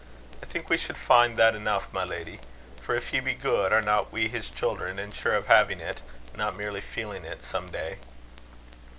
I think we should find that enough, my lady. For, if he be good, are not we his children, and sure of having it, not merely feeling it, some day?"